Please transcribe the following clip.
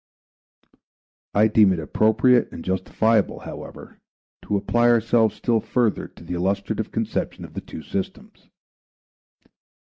I deem it appropriate and justifiable, however, to apply ourselves still further to the illustrative conception of the two systems.